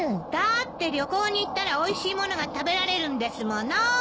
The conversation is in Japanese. だって旅行に行ったらおいしいものが食べられるんですもの。